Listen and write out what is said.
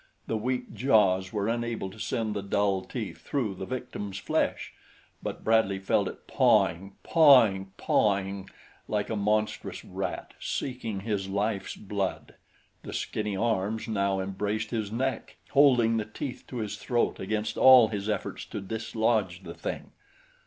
The weak jaws were unable to send the dull teeth through the victim's flesh; but Bradley felt it pawing, pawing, pawing, like a monstrous rat, seeking his life's blood. The skinny arms now embraced his neck, holding the teeth to his throat against all his efforts to dislodge the thing.